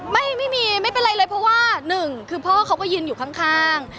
ไม่มีไม่เป็นไรเลยเพราะว่าหนึ่งคือพ่อเขาก็ยืนอยู่ข้าง